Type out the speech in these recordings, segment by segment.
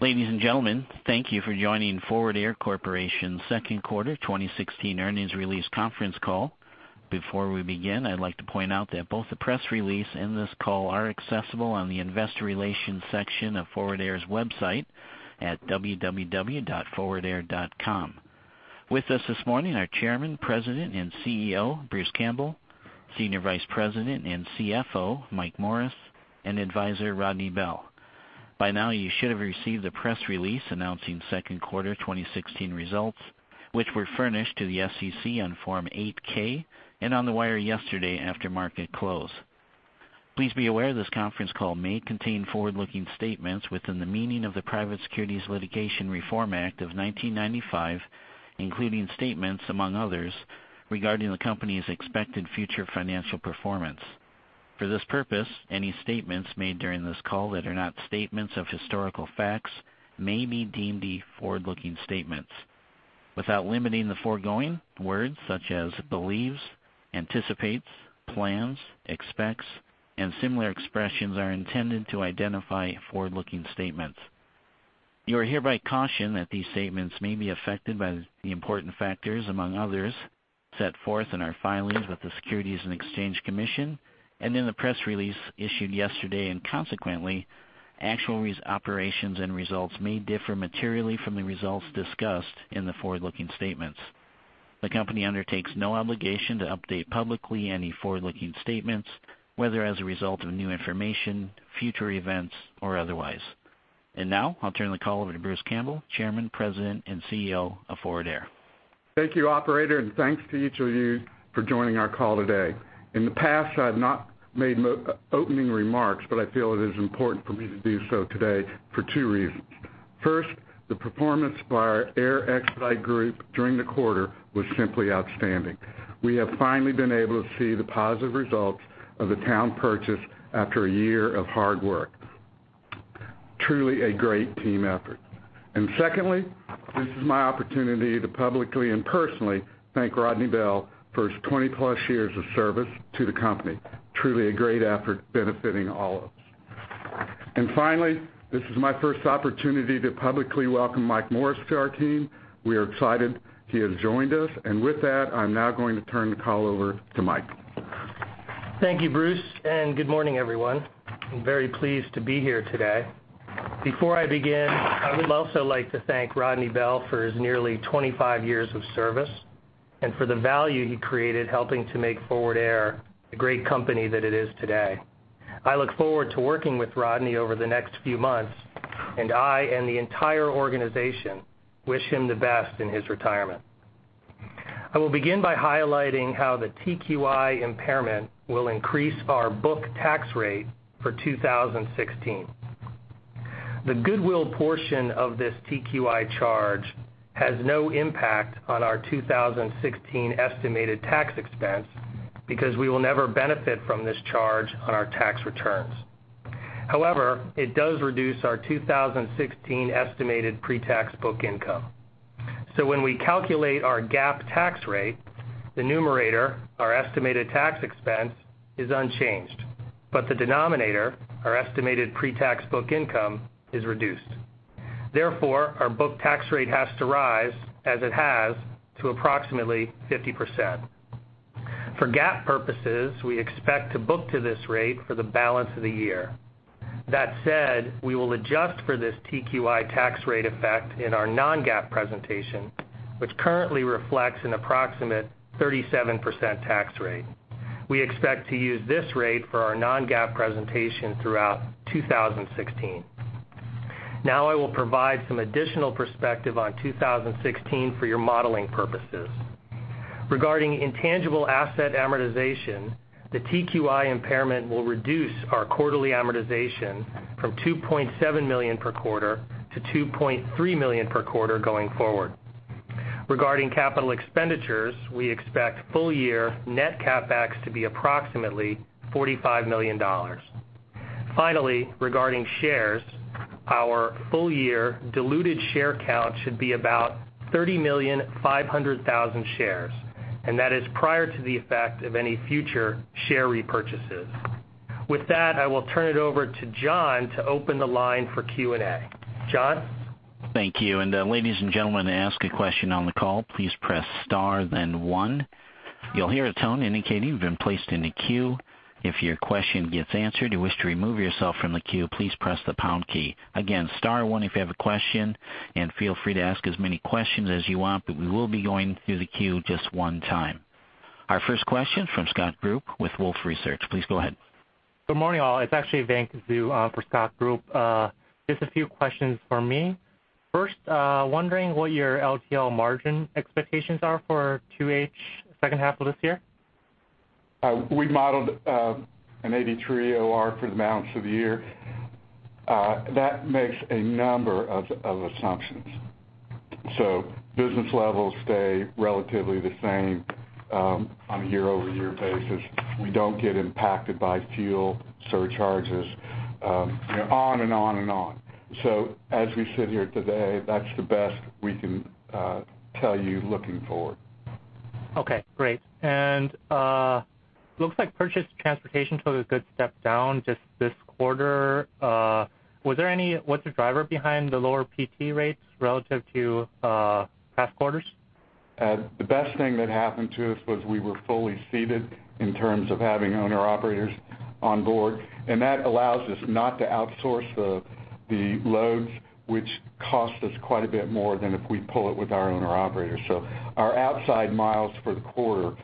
Ladies and gentlemen, thank you for joining Forward Air Corporation's second quarter 2016 earnings release conference call. Before we begin, I'd like to point out that both the press release and this call are accessible on the investor relations section of Forward Air's website at www.forwardair.com. With us this morning are Chairman, President, and CEO, Bruce Campbell, Senior Vice President and CFO, Mike Morris, and Advisor Rodney Bell. By now, you should have received the press release announcing second quarter 2016 results, which were furnished to the SEC on Form 8-K and on the wire yesterday after market close. Please be aware this conference call may contain forward-looking statements within the meaning of the Private Securities Litigation Reform Act of 1995, including statements, among others, regarding the company's expected future financial performance. For this purpose, any statements made during this call that are not statements of historical facts may be deemed forward-looking statements. Without limiting the foregoing, words such as believes, anticipates, plans, expects, and similar expressions are intended to identify forward-looking statements. You are hereby cautioned that these statements may be affected by the important factors, among others, set forth in our filings with the Securities and Exchange Commission and in the press release issued yesterday, consequently, actual operations and results may differ materially from the results discussed in the forward-looking statements. The company undertakes no obligation to update publicly any forward-looking statements, whether as a result of new information, future events, or otherwise. Now I'll turn the call over to Bruce Campbell, Chairman, President, and CEO of Forward Air. Thank you, operator, thanks to each of you for joining our call today. In the past, I've not made opening remarks, I feel it is important for me to do so today for two reasons. First, the performance by our Air Expedite group during the quarter was simply outstanding. We have finally been able to see the positive results of the Towne purchase after a year of hard work. Truly a great team effort. Secondly, this is my opportunity to publicly and personally thank Rodney Bell for his 20-plus years of service to the company. Truly a great effort benefiting all of us. Finally, this is my first opportunity to publicly welcome Mike Morris to our team. We are excited he has joined us. With that, I'm now going to turn the call over to Mike. Thank you, Bruce, good morning, everyone. I'm very pleased to be here today. Before I begin, I would also like to thank Rodney Bell for his nearly 25 years of service and for the value he created helping to make Forward Air the great company that it is today. I look forward to working with Rodney over the next few months, I and the entire organization wish him the best in his retirement. I will begin by highlighting how the TQI impairment will increase our book tax rate for 2016. The goodwill portion of this TQI charge has no impact on our 2016 estimated tax expense because we will never benefit from this charge on our tax returns. It does reduce our 2016 estimated pre-tax book income. When we calculate our GAAP tax rate, the numerator, our estimated tax expense, is unchanged, but the denominator, our estimated pre-tax book income, is reduced. Therefore, our book tax rate has to rise, as it has, to approximately 50%. For GAAP purposes, we expect to book to this rate for the balance of the year. That said, we will adjust for this TQI tax rate effect in our non-GAAP presentation, which currently reflects an approximate 37% tax rate. We expect to use this rate for our non-GAAP presentation throughout 2016. I will provide some additional perspective on 2016 for your modeling purposes. Regarding intangible asset amortization, the TQI impairment will reduce our quarterly amortization from $2.7 million per quarter to $2.3 million per quarter going forward. Regarding capital expenditures, we expect full year net CapEx to be approximately $45 million. Finally, regarding shares, our full-year diluted share count should be about 30,500,000 shares, and that is prior to the effect of any future share repurchases. With that, I will turn it over to John to open the line for Q&A. John? Thank you. Ladies and gentlemen, to ask a question on the call, please press star then one. You will hear a tone indicating you have been placed in a queue. If your question gets answered, you wish to remove yourself from the queue, please press the pound key. Again, star one if you have a question. Feel free to ask as many questions as you want, but we will be going through the queue just one time. Our first question from Scott Group with Wolfe Research. Please go ahead. Good morning, all. It is actually Vanck Zhu for Scott Group. Just a few questions for me. First, wondering what your LTL margin expectations are for 2H, second half of this year. We modeled an 83 OR for the balance of the year. That makes a number of assumptions. Business levels stay relatively the same on a year-over-year basis. We don't get impacted by fuel surcharges, on and on. As we sit here today, that's the best we can tell you looking forward. Okay, great. Looks like purchase transportation took a good step down just this quarter. What's the driver behind the lower PT rates relative to past quarters? The best thing that happened to us was we were fully seated in terms of having owner-operators on board, and that allows us not to outsource the loads, which cost us quite a bit more than if we pull it with our owner-operators. Our outside miles for the quarter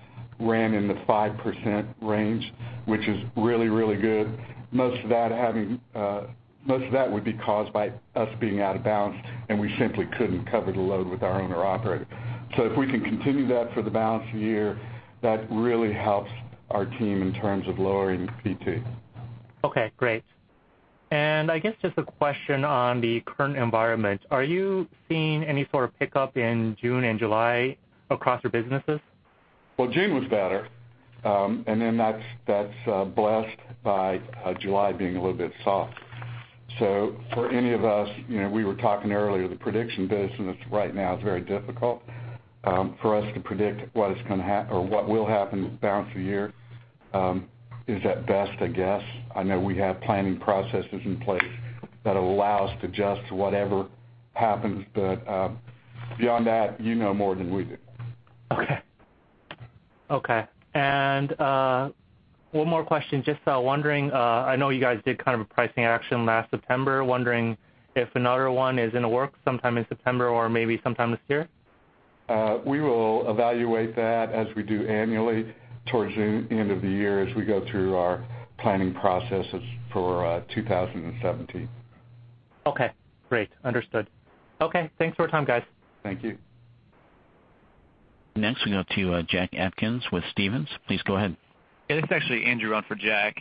ran in the 5% range, which is really good. Most of that would be caused by us being out of balance, and we simply couldn't cover the load with our owner-operator. If we can continue that for the balance of the year, that really helps our team in terms of lowering PT. Okay, great. I guess just a question on the current environment. Are you seeing any sort of pickup in June and July across your businesses? Well, June was better. That's blessed by July being a little bit soft. For any of us, we were talking earlier, the prediction business right now is very difficult for us to predict what will happen the balance of the year. Is at best a guess. I know we have planning processes in place that allow us to adjust to whatever happens, but beyond that, you know more than we do. Okay. One more question, just wondering, I know you guys did a pricing action last September. Wondering if another one is in the works sometime in September or maybe sometime this year? We will evaluate that as we do annually towards the end of the year as we go through our planning processes for 2017. Okay, great. Understood. Okay, thanks for your time, guys. Thank you. Next we go to Jack Atkins with Stephens. Please go ahead. Yeah, this is actually Andrew on for Jack.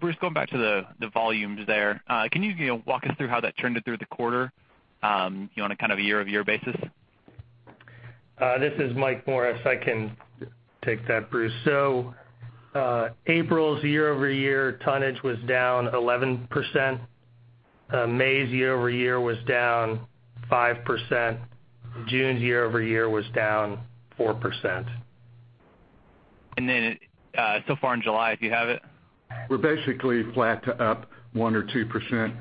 Bruce, going back to the volumes there, can you walk us through how that trended through the quarter on a year-over-year basis? This is Mike Morris. I can take that, Bruce. April's year-over-year tonnage was down 11%. May's year-over-year was down 5%. June's year-over-year was down 4%. Then so far in July, if you have it? We're basically flat to up 1% or 2%.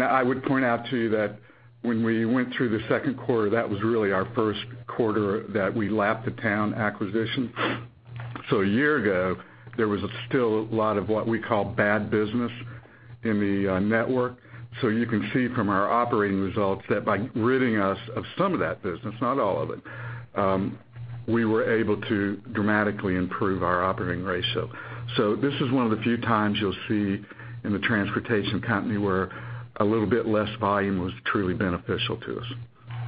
I would point out to you that when we went through the second quarter, that was really our first quarter that we lapped the Towne acquisition. A year ago, there was still a lot of what we call bad business in the network. You can see from our operating results that by ridding us of some of that business, not all of it, we were able to dramatically improve our operating ratio. This is one of the few times you'll see in a transportation company where a little bit less volume was truly beneficial to us.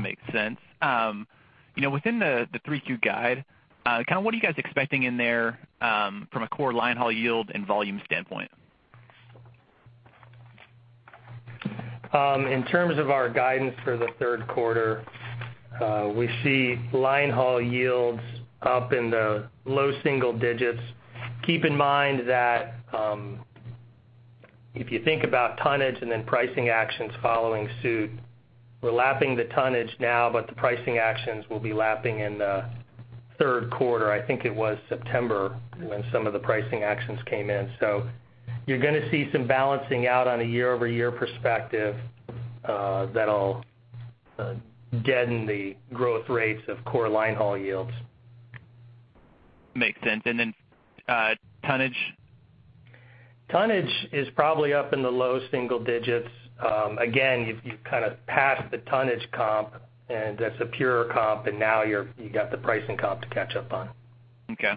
Makes sense. Within the 3Q guide, what are you guys expecting in there from a core line haul yield and volume standpoint? In terms of our guidance for the third quarter, we see line haul yields up in the low single digits. Keep in mind that if you think about tonnage then pricing actions following suit, we're lapping the tonnage now, but the pricing actions will be lapping in the third quarter. I think it was September when some of the pricing actions came in. You're going to see some balancing out on a year-over-year perspective that'll deaden the growth rates of core line haul yields. Makes sense. Tonnage? Tonnage is probably up in the low single digits. You've kind of passed the tonnage comp, and that's a pure comp, and now you got the pricing comp to catch up on. Okay.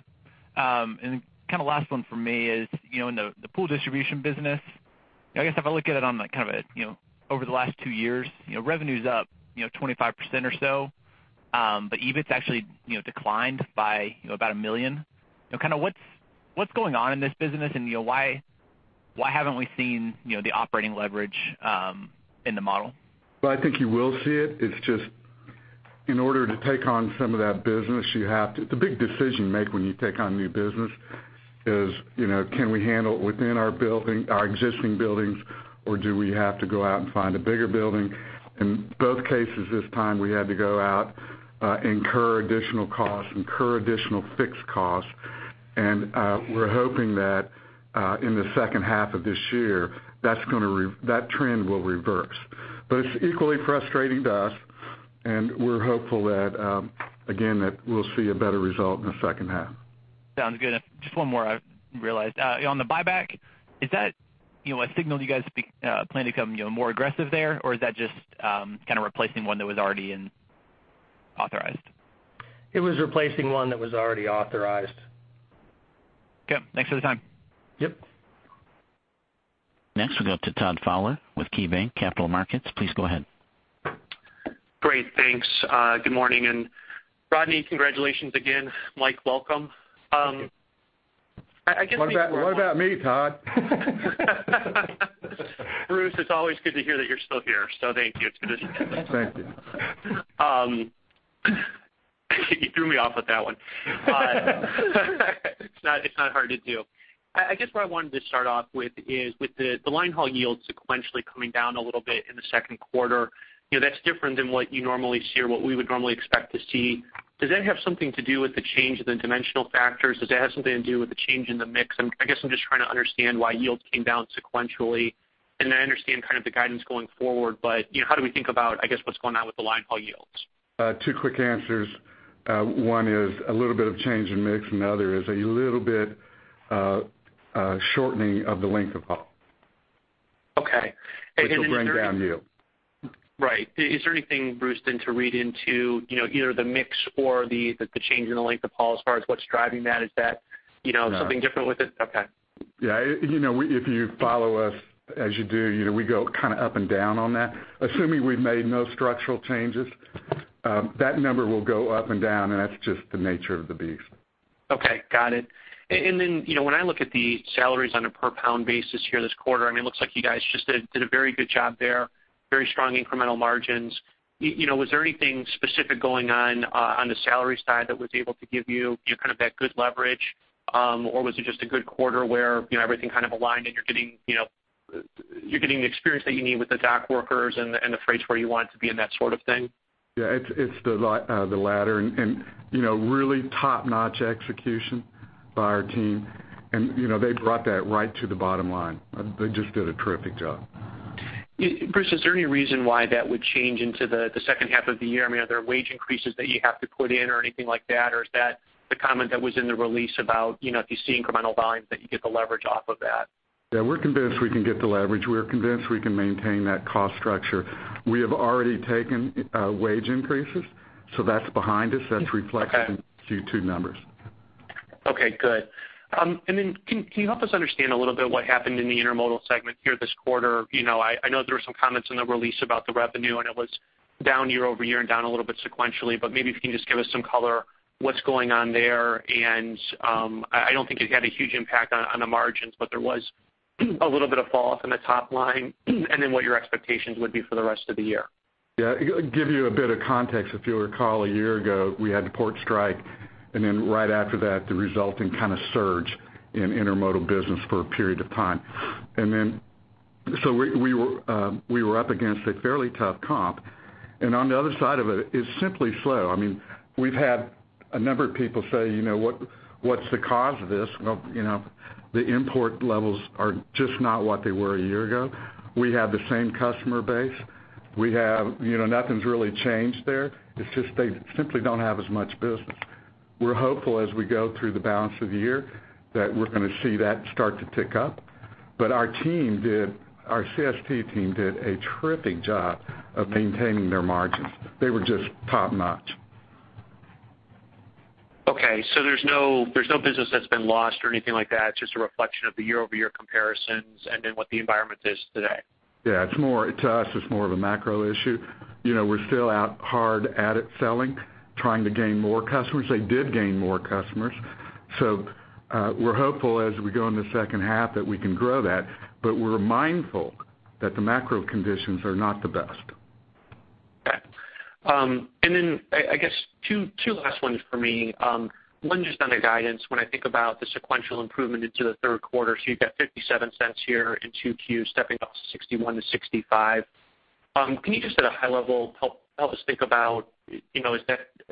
Last one from me is in the pool distribution business, I guess if I look at it on over the last two years, revenue's up 25% or so but EBIT's actually declined by about $1 million. What's going on in this business, and why haven't we seen the operating leverage in the model? Well, I think you will see it. It's just in order to take on some of that business, it's a big decision you make when you take on new business is can we handle it within our existing buildings, or do we have to go out and find a bigger building? In both cases this time we had to go out, incur additional costs, incur additional fixed costs. We're hoping that in the second half of this year that trend will reverse. It's equally frustrating to us, and we're hopeful that, again, that we'll see a better result in the second half. Sounds good. Just one more, I realized. On the buyback, is that a signal you guys plan to become more aggressive there, or is that just replacing one that was already authorized? It was replacing one that was already authorized. Okay. Thanks for the time. Yep. We go to Todd Fowler with KeyBanc Capital Markets. Please go ahead. Great, thanks. Good morning, Rodney, congratulations again. Mike, welcome. What about me, Todd? Bruce, it's always good to hear that you're still here, thank you. It's good to see you. Thank you. You threw me off with that one. It's not hard to do. I guess what I wanted to start off with is with the line haul yields sequentially coming down a little bit in the second quarter. That's different than what you normally see or what we would normally expect to see. Does that have something to do with the change in the dimensional factors? Does that have something to do with the change in the mix? I guess I'm just trying to understand why yields came down sequentially, and I understand kind of the guidance going forward, but how do we think about, I guess, what's going on with the line haul yields? Two quick answers. One is a little bit of change in mix, and the other is a little bit shortening of the length of haul. Okay. is there. Which will bring down yield. Right. Is there anything, Bruce, to read into either the mix or the change in the length of haul as far as what's driving that? Is that- No something different with it? Okay. Yeah. If you follow us as you do, we go kind of up and down on that. Assuming we've made no structural changes, that number will go up and down, and that's just the nature of the beast. Okay. Got it. When I look at the salaries on a per pound basis here this quarter, I mean, it looks like you guys just did a very good job there, very strong incremental margins. Was there anything specific going on the salary side that was able to give you kind of that good leverage? Or was it just a good quarter where everything kind of aligned and you're getting the experience that you need with the dock workers and the freight where you want it to be, and that sort of thing? Yeah, it's the latter and really top-notch execution by our team. They brought that right to the bottom line. They just did a terrific job. Bruce, is there any reason why that would change into the second half of the year? I mean, are there wage increases that you have to put in or anything like that? Is that the comment that was in the release about, if you see incremental volumes, that you get the leverage off of that? Yeah, we're convinced we can get the leverage. We're convinced we can maintain that cost structure. We have already taken wage increases. That's behind us. That's reflected- Okay in Q2 numbers. Okay, good. Can you help us understand a little bit what happened in the intermodal segment here this quarter? I know there were some comments in the release about the revenue, it was down year-over-year and down a little bit sequentially, but maybe if you can just give us some color what's going on there. I don't think it had a huge impact on the margins, but there was a little bit of fall off in the top line, then what your expectations would be for the rest of the year. Yeah. Give you a bit of context. If you'll recall, a year ago, we had the port strike, then right after that, the resulting kind of surge in intermodal business for a period of time. We were up against a fairly tough comp. On the other side of it's simply slow. I mean, we've had a number of people say, "What's the cause of this?" Well, the import levels are just not what they were a year ago. We have the same customer base. Nothing's really changed there. It's just they simply don't have as much business. We're hopeful as we go through the balance of the year that we're going to see that start to tick up. But our CST team did a terrific job of maintaining their margins. They were just top-notch. Okay, there's no business that's been lost or anything like that. It's just a reflection of the year-over-year comparisons what the environment is today. Yeah. To us, it's more of a macro issue. We're still out hard at it, selling, trying to gain more customers. They did gain more customers. We're hopeful as we go in the second half that we can grow that. We're mindful that the macro conditions are not the best. Okay. I guess, two last ones for me. One's just on the guidance. When I think about the sequential improvement into the third quarter, you've got $0.57 here in 2Q stepping it up to $0.61-$0.65. Can you just at a high level help us think about,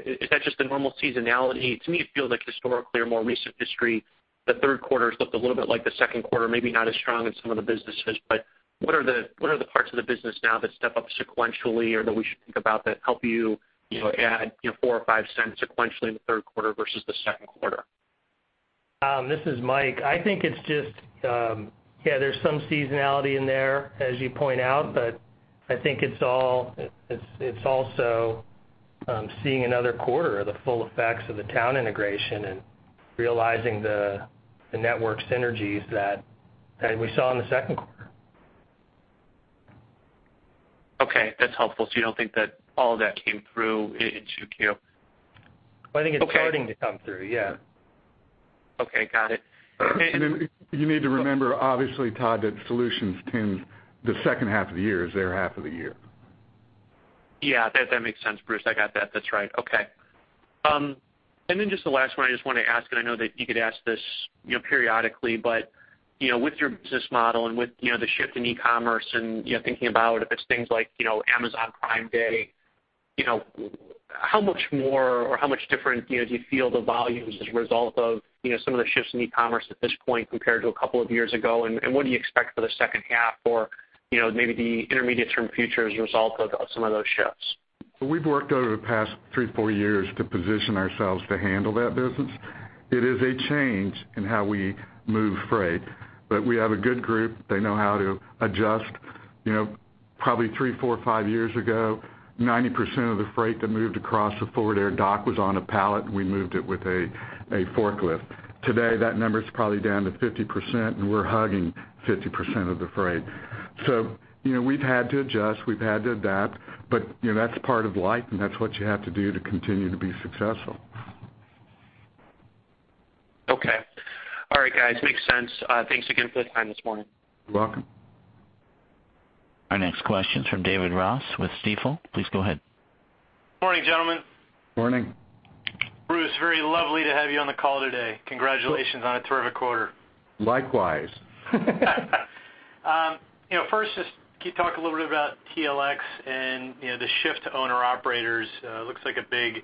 is that just the normal seasonality? To me, it feels like historically or more recent history, the third quarter's looked a little bit like the second quarter, maybe not as strong in some of the businesses. What are the parts of the business now that step up sequentially or that we should think about that help you add $0.04 or $0.05 sequentially in the third quarter versus the second quarter? This is Mike. I think it's just, yeah, there's some seasonality in there as you point out, but I think it's also seeing another quarter of the full effects of the Towne integration and realizing the network synergies that we saw in the second quarter. Okay, that's helpful. You don't think that all that came through in 2Q? I think it's starting to come through, yeah. Okay. Got it. You need to remember, obviously, Todd, that Forward Air Solutions tunes the second half of the year is their half of the year. That makes sense, Bruce. I got that. That's right. Okay. Just the last one I just want to ask, and I know that you get asked this periodically, but, with your business model and with the shift in e-commerce and thinking about if it's things like Amazon Prime Day, how much more or how much different do you feel the volumes as a result of some of the shifts in e-commerce at this point compared to a couple of years ago, and what do you expect for the second half or maybe the intermediate-term future as a result of some of those shifts? We've worked over the past three, four years to position ourselves to handle that business. It is a change in how we move freight. We have a good group. They know how to adjust. Probably three, four, five years ago, 90% of the freight that moved across the Forward Air dock was on a pallet, and we moved it with a forklift. Today, that number's probably down to 50%, and we're hugging 50% of the freight. We've had to adjust, we've had to adapt, but that's part of life, and that's what you have to do to continue to be successful. Okay. All right, guys. Makes sense. Thanks again for the time this morning. You're welcome. Our next question is from David Ross with Stifel. Please go ahead. Morning, gentlemen. Morning. Bruce, very lovely to have you on the call today. Congratulations on a terrific quarter. Likewise. Just can you talk a little bit about TLX and the shift to owner-operators. Looks like a big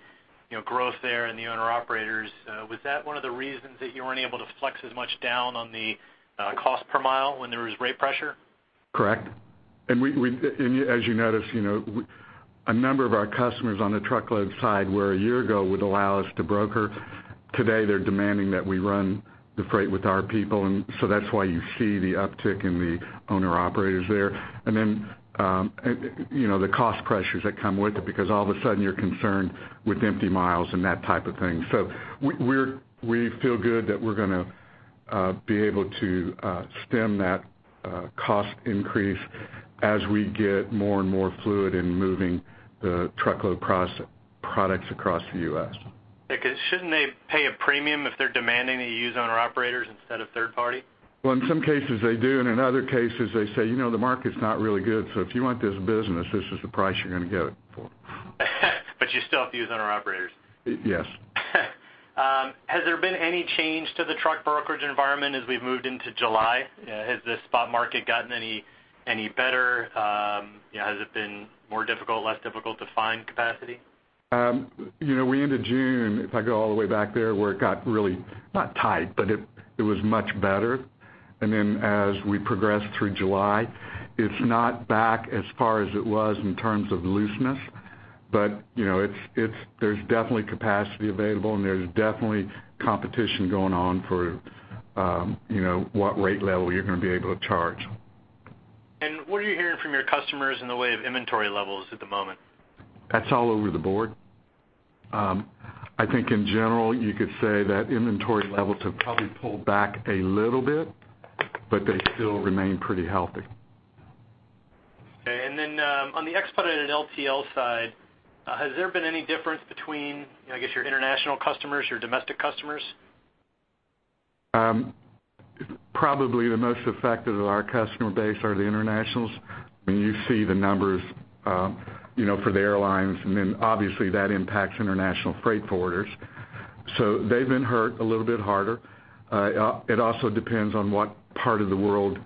growth there in the owner-operators. Was that one of the reasons that you weren't able to flex as much down on the cost per mile when there was rate pressure? Correct. As you notice, a number of our customers on the truckload side, where a year ago would allow us to broker, today they're demanding that we run the freight with our people. That's why you see the uptick in the owner-operators there. The cost pressures that come with it, because all of a sudden you're concerned with empty miles and that type of thing. We feel good that we're going to be able to stem that cost increase as we get more and more fluid in moving the truckload products across the U.S. Okay. Shouldn't they pay a premium if they're demanding that you use owner-operators instead of third party? In some cases they do, and in other cases, they say, "The market's not really good, so if you want this business, this is the price you're going to get it for. You still have to use owner-operators. Yes. Has there been any change to the truck brokerage environment as we've moved into July? Has the spot market gotten any better? Has it been more difficult, less difficult to find capacity? We ended June, if I go all the way back there, where it got really, not tight, but it was much better. As we progressed through July, it's not back as far as it was in terms of looseness. There's definitely capacity available and there's definitely competition going on for what rate level you're going to be able to charge. What are you hearing from your customers in the way of inventory levels at the moment? That's all over the board. I think in general, you could say that inventory levels have probably pulled back a little bit, but they still remain pretty healthy. On the expedite and LTL side, has there been any difference between, I guess, your international customers, your domestic customers? Probably the most affected of our customer base are the internationals. You see the numbers for the airlines, and then obviously that impacts international freight forwarders. They've been hurt a little bit harder. It also depends on what part of the world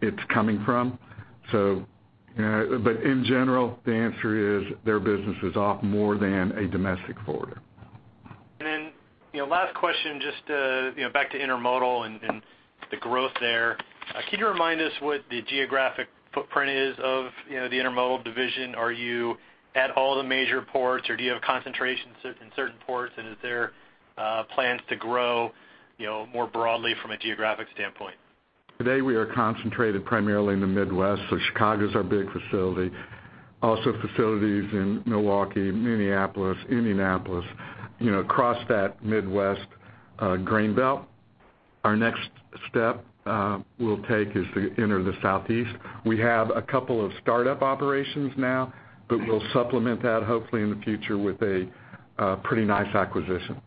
it's coming from. In general, the answer is their business is off more than a domestic forwarder. Last question, just back to intermodal and the growth there? Can you remind us what the geographic footprint is of the intermodal division? Are you at all the major ports, or do you have concentrations in certain ports, and is there plans to grow more broadly from a geographic standpoint? Today, we are concentrated primarily in the Midwest. Chicago's our big facility. Also facilities in Milwaukee, Minneapolis, Indianapolis, across that Midwest Grain Belt. Our next step we'll take is to enter the Southeast. We have a couple of startup operations now, but we'll supplement that hopefully in the future with a pretty nice acquisition.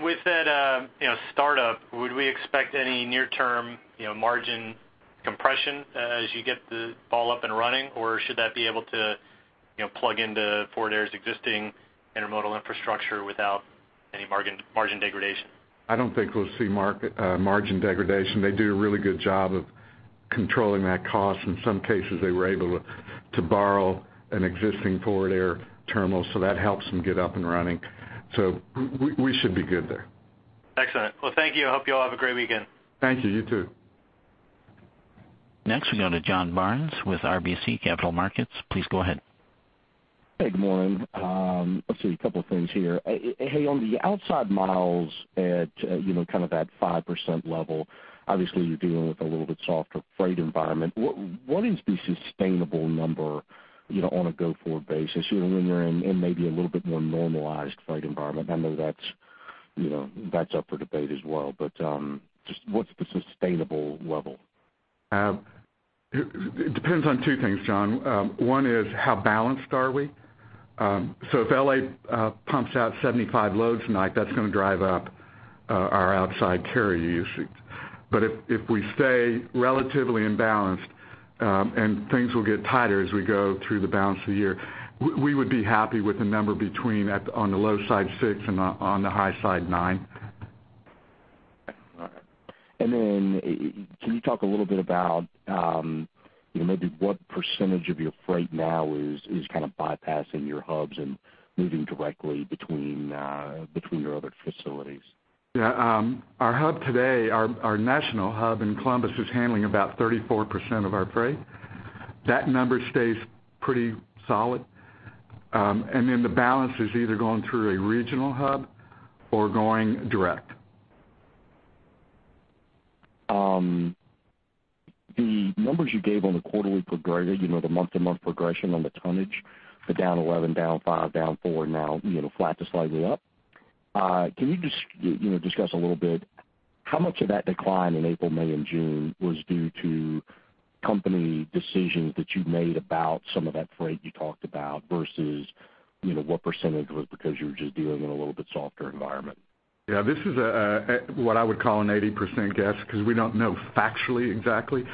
With that startup, would we expect any near-term margin compression as you get the fall up and running, or should that be able to plug into Forward Air's existing intermodal infrastructure without any margin degradation? I don't think we'll see margin degradation. They do a really good job of controlling that cost. In some cases, they were able to borrow an existing Forward Air terminal, that helps them get up and running. We should be good there. Excellent. Well, thank you. I hope you all have a great weekend. Thank you. You too. Next we go to John Barnes with RBC Capital Markets. Please go ahead. Hey, good morning. Let's see, a couple of things here. Hey, on the outside miles at that 5% level, obviously you're dealing with a little bit softer freight environment. What is the sustainable number on a go-forward basis when you're in maybe a little bit more normalized freight environment? I know that's up for debate as well, but just what's the sustainable level? It depends on two things, John. One is how balanced are we? If L.A. pumps out 75 loads tonight, that's going to drive up our outside carrier usage. If we stay relatively imbalanced, and things will get tighter as we go through the balance of the year, we would be happy with a number between on the low side six and on the high side nine. All right. Can you talk a little bit about maybe what percentage of your freight now is bypassing your hubs and moving directly between your other facilities? Yeah. Our hub today, our national hub in Columbus, is handling about 34% of our freight. That number stays pretty solid. The balance is either going through a regional hub or going direct. The numbers you gave on the quarterly progression, the month-to-month progression on the tonnage, the down 11, down five, down four, now flat to slightly up. Can you just discuss a little bit how much of that decline in April, May, and June was due to company decisions that you made about some of that freight you talked about versus what percentage was because you were just dealing in a little bit softer environment? Yeah, this is what I would call an 80% guess because we don't know factually exactly,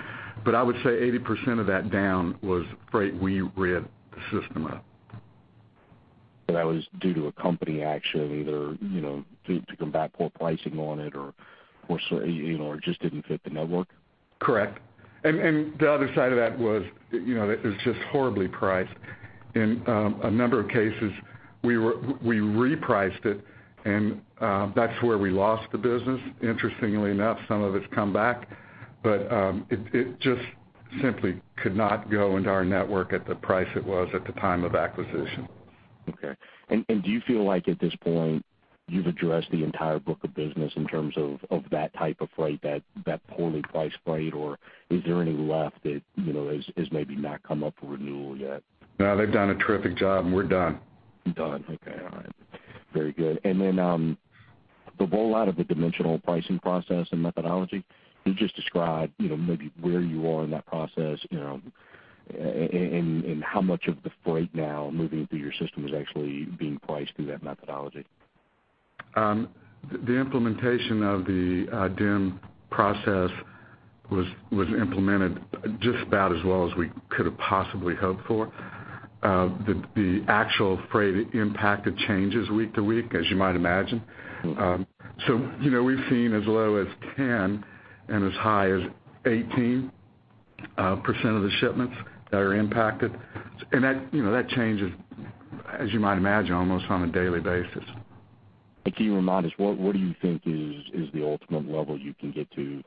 but I would say 80% of that down was freight we rid the system of. That was due to a company action, either to combat poor pricing on it or it just didn't fit the network? Correct. The other side of that was, it was just horribly priced. In a number of cases, we repriced it, and that's where we lost the business. Interestingly enough, some of it's come back, but it just simply could not go into our network at the price it was at the time of acquisition. Okay. Do you feel like at this point you've addressed the entire book of business in terms of that type of freight, that poorly priced freight, or is there any left that has maybe not come up for renewal yet? No, they've done a terrific job, and we're done. Done. Okay. All right. Very good. Then, the roll-out of the dimensional pricing process and methodology, can you just describe maybe where you are in that process, and how much of the freight now moving through your system is actually being priced through that methodology? The implementation of the dim process was implemented just about as well as we could've possibly hoped for. The actual freight impact changes week to week, as you might imagine. We've seen as low as 10% and as high as 18% of the shipments that are impacted. That changes, as you might imagine, almost on a daily basis. Can you remind us, what do you think is the ultimate level you can get to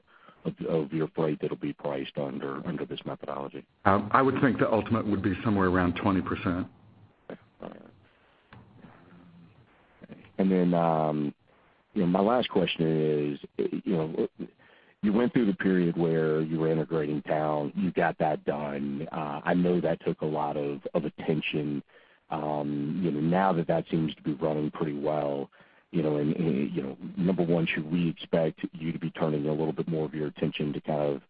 of your freight that'll be priced under this methodology? I would think the ultimate would be somewhere around 20%. Okay. All right. Then, my last question is, you went through the period where you were integrating Towne. You got that done. I know that took a lot of attention. Now that that seems to be running pretty well, number one, should we expect you to be turning a little bit more of your attention to kind of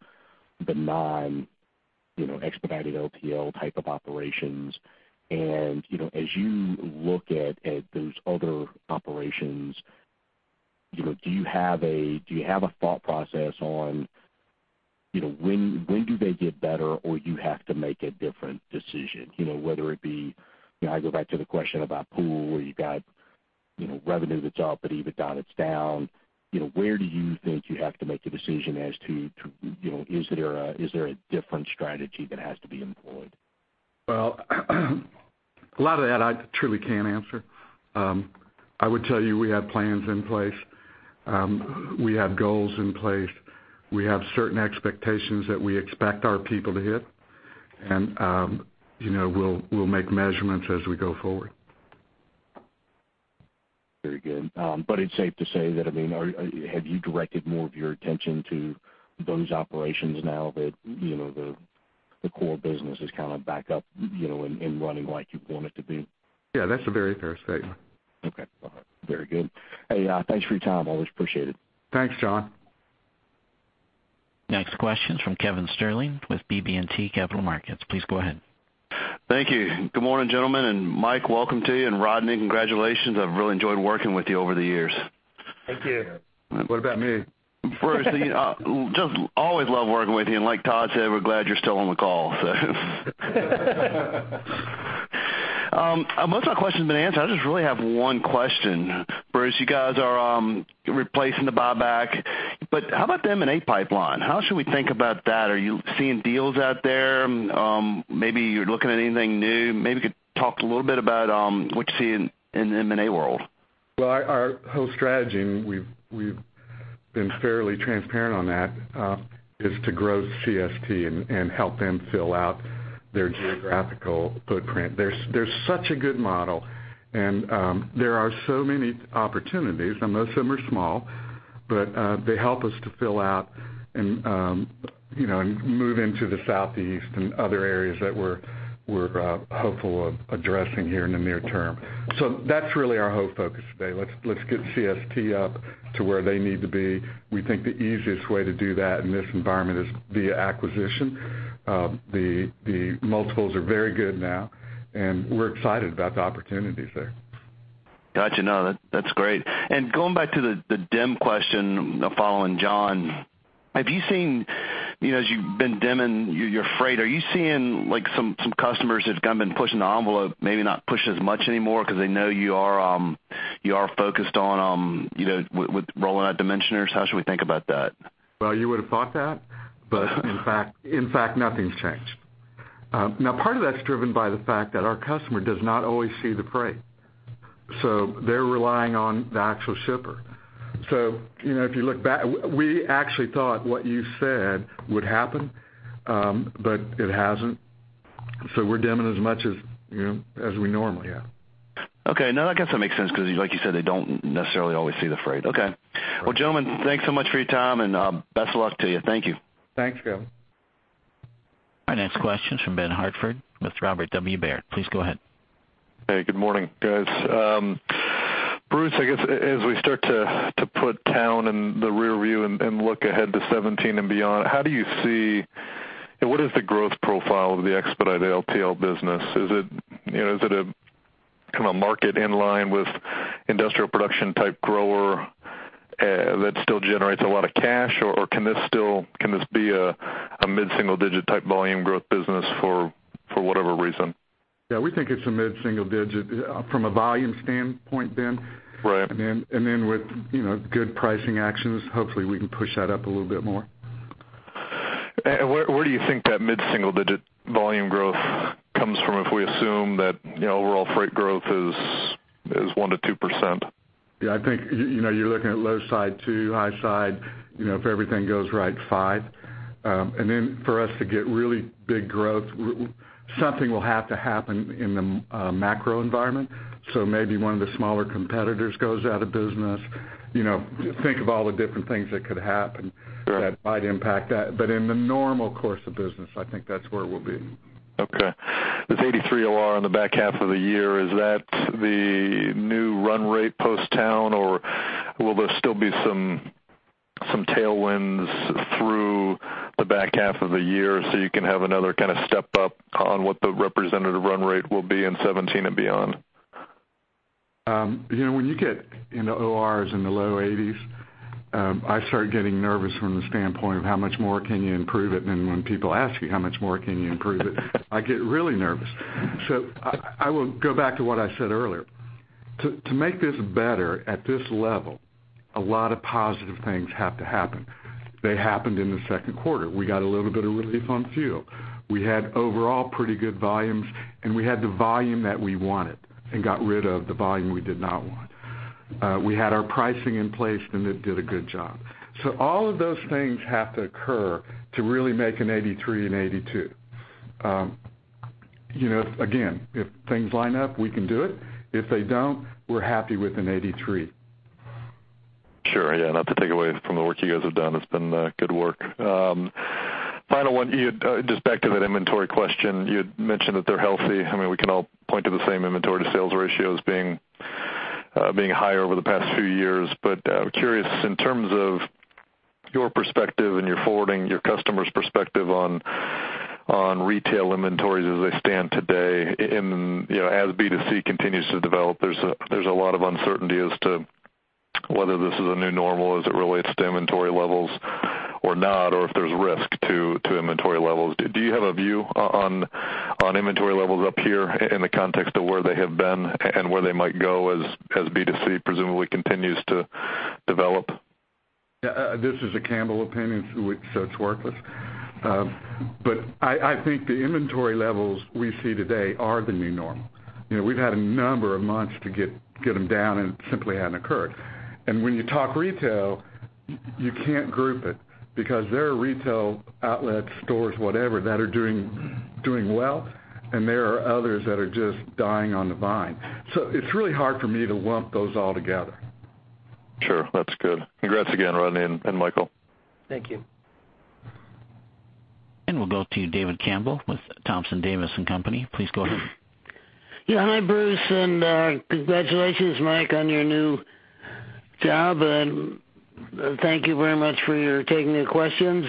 the non-expedited LTL type of operations? As you look at those other operations, do you have a thought process on when do they get better, or you have to make a different decision? Whether it be, I go back to the question about pool, where you got revenue that's up, but EBITDA is down. Where do you think you have to make a decision as to, is there a different strategy that has to be employed? Well, a lot of that I truly can't answer. I would tell you we have plans in place. We have goals in place. We have certain expectations that we expect our people to hit. We'll make measurements as we go forward. Very good. It's safe to say that, have you directed more of your attention to those operations now that the core business is kind of back up and running like you want it to be? Yeah, that's a very fair statement. Okay. All right. Very good. Hey, thanks for your time. Always appreciate it. Thanks, John. Next question's from Kevin Sterling with BB&T Capital Markets. Please go ahead. Thank you. Good morning, gentlemen, and Mike, welcome to you, and Rodney, congratulations. I've really enjoyed working with you over the years. Thank you. What about me? Bruce, always love working with you, and like Todd said, we're glad you're still on the call, so. Most of my questions have been answered. I just really have one question. Bruce, you guys are replacing the buyback, how about the M&A pipeline? How should we think about that? Are you seeing deals out there? Maybe you're looking at anything new. Maybe you could talk a little bit about what you see in the M&A world. Our whole strategy, and we've been fairly transparent on that, is to grow CST and help them fill out their geographical footprint. They're such a good model, and there are so many opportunities. Most of them are small, but they help us to fill out and move into the Southeast and other areas that we're hopeful of addressing here in the near term. That's really our whole focus today. Let's get CST up to where they need to be. We think the easiest way to do that in this environment is via acquisition. The multiples are very good now, and we're excited about the opportunities there. Got you. No, that's great. Going back to the dim question, following John, as you've been dimming your freight, are you seeing some customers that's kind of been pushing the envelope, maybe not pushing as much anymore because they know you are focused on with rolling out dimensioners? How should we think about that? You would've thought that. In fact, nothing's changed. Now, part of that's driven by the fact that our customer does not always see the freight, so they're relying on the actual shipper. If you look back, we actually thought what you said would happen, but it hasn't. We're dimming as much as we normally have. Okay. No, I guess that makes sense because, like you said, they don't necessarily always see the freight. Okay. Gentlemen, thanks so much for your time, and best of luck to you. Thank you. Thanks, Kevin. Our next question's from Ben Hartford with Robert W. Baird. Please go ahead. Hey, good morning, guys. Bruce, I guess as we start to put Towne in the rearview and look ahead to 2017 and beyond, how do you see. What is the growth profile of the expedite LTL business? Is it kind of market in line with industrial production type grower that still generates a lot of cash or can this be a mid-single digit type volume growth business for whatever reason? Yeah, we think it's a mid-single digit from a volume standpoint, Ben. Right. With good pricing actions, hopefully we can push that up a little bit more. Where do you think that mid-single digit volume growth comes from if we assume that overall freight growth is one to 2%? Yeah, I think you're looking at low side 2, high side, if everything goes right, 5. For us to get really big growth, something will have to happen in the macro environment. Maybe one of the smaller competitors goes out of business. Think of all the different things that could happen Sure That might impact that. In the normal course of business, I think that's where we'll be. Okay. This 83 OR in the back half of the year, is that the new run rate post Towne or will there still be some tailwinds through the back half of the year so you can have another kind of step up on what the representative run rate will be in 2017 and beyond? When you get into ORs in the low 80s, I start getting nervous from the standpoint of how much more can you improve it. When people ask you how much more can you improve it, I get really nervous. I will go back to what I said earlier. To make this better at this level, a lot of positive things have to happen. They happened in the second quarter. We got a little bit of relief on fuel. We had overall pretty good volumes, and we had the volume that we wanted and got rid of the volume we did not want. We had our pricing in place, and it did a good job. All of those things have to occur to really make an 83 an 82. Again, if things line up, we can do it. If they don't, we're happy with an 83. Sure. Yeah, not to take away from the work you guys have done. It's been good work. Final one, just back to that inventory question. You had mentioned that they're healthy. We can all point to the same inventory to sales ratios being higher over the past few years. I'm curious, in terms of your perspective and your Forward Air customers' perspective on retail inventories as they stand today, as B2C continues to develop, there's a lot of uncertainty as to whether this is a new normal as it relates to inventory levels or not, or if there's risk to inventory levels. Do you have a view on inventory levels up here in the context of where they have been and where they might go as B2C presumably continues to develop? Yeah. This is a Campbell opinion, so it's worthless. I think the inventory levels we see today are the new normal. We've had a number of months to get them down, and it simply hadn't occurred. When you talk retail, you can't group it because there are retail outlet stores, whatever, that are doing well, and there are others that are just dying on the vine. It's really hard for me to lump those all together. Sure. That's good. Congrats again, Rodney and Michael. Thank you. We'll go to David Campbell with Thompson, Davis & Company. Please go ahead. Yeah. Hi, Bruce, congratulations, Mike, on your new job, and thank you very much for taking the questions.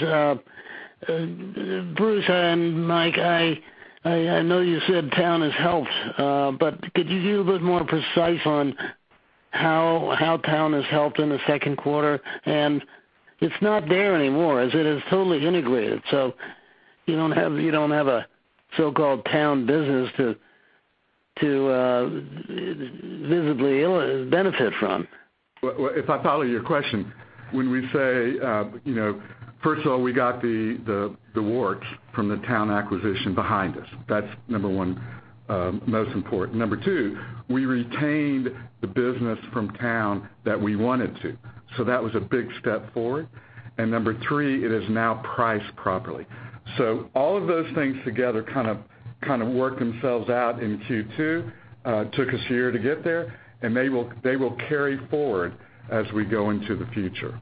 Bruce and Mike, I know you said Towne has helped, but could you be a bit more precise on how Towne has helped in the second quarter? It's not there anymore, as it is totally integrated. You don't have a so-called Towne business to visibly benefit from. If I follow your question, when we say first of all, we got the warts from the Towne acquisition behind us. That's number 1, most important. Number 2, we retained the business from Towne that we wanted to. That was a big step forward. Number 3, it is now priced properly. All of those things together kind of worked themselves out in Q2, took us a year to get there, and they will carry forward as we go into the future.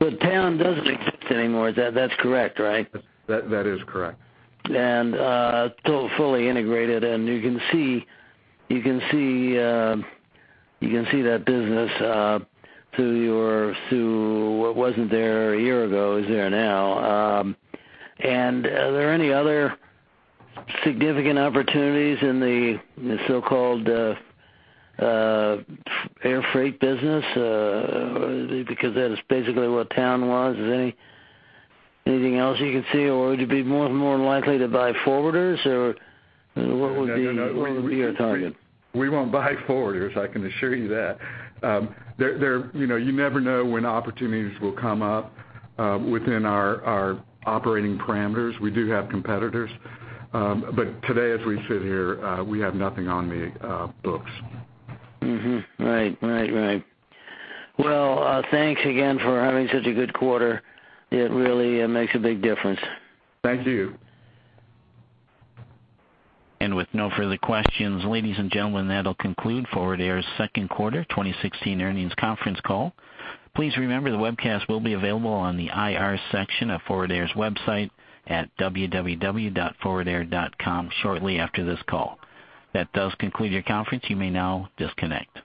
Towne doesn't exist anymore. That's correct, right? That is correct. Fully integrated, and you can see that business through what wasn't there a year ago is there now. Are there any other significant opportunities in the so-called air freight business? Because that is basically what Towne was. Is there anything else you can see, or would you be more likely to buy forwarders? What would be your target? We won't buy forwarders, I can assure you that. You never know when opportunities will come up within our operating parameters. We do have competitors. Today, as we sit here, we have nothing on the books. Right. Well, thanks again for having such a good quarter. It really makes a big difference. Thank you. With no further questions, ladies and gentlemen, that'll conclude Forward Air's second quarter 2016 earnings conference call. Please remember the webcast will be available on the IR section of Forward Air's website at www.forwardair.com shortly after this call. That does conclude your conference. You may now disconnect.